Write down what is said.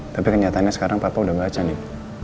tapi kenyataannya sekarang papa udah baca nih